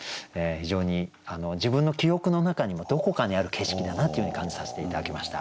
非常に自分の記憶の中にもどこかにある景色だなというように感じさせて頂きました。